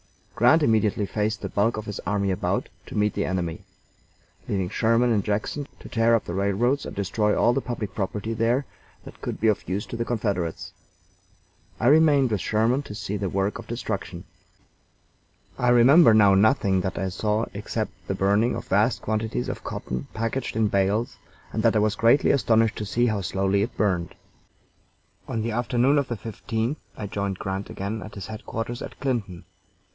Grant immediately faced the bulk of his army about to meet the enemy, leaving Sherman in Jackson to tear up the railroads and destroy all the public property there that could be of use to the Confederates. I remained with Sherman to see the work of destruction. I remember now nothing that I saw except the burning of vast quantities of cotton packed in bales, and that I was greatly astonished to see how slowly it burned. On the afternoon of the 15th I joined Grant again at his headquarters at Clinton.